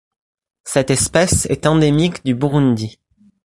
Cette espèce est endémique du Burundi.